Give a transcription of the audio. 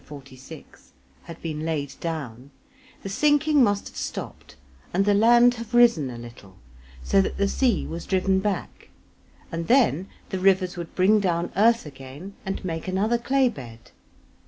46) had been laid down, the sinking must have stopped and the land have risen a little, so that the sea was driven back; and then the rivers would bring down earth again and make another clay bed.